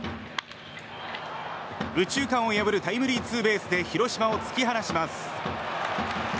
右中間を破るタイムリーツーベースで広島を突き放します。